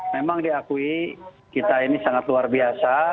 memang diakui kita ini sangat luar biasa